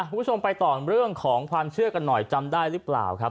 คุณผู้ชมไปต่อเรื่องของความเชื่อกันหน่อยจำได้หรือเปล่าครับ